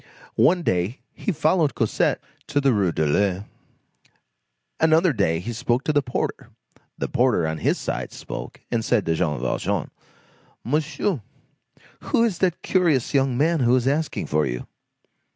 One day he followed Cosette to the Rue de l'Ouest. Another day he spoke to the porter. The porter, on his side, spoke, and said to Jean Valjean: "Monsieur, who is that curious young man who is asking for you?"